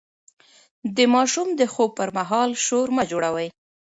د ماشوم د خوب پر مهال شور مه جوړوئ.